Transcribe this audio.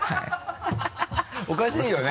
おかしいよね。